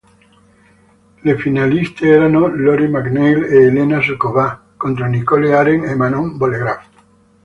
Le finaliste erano Lori McNeil e Helena Suková contro Nicole Arendt e Manon Bollegraf.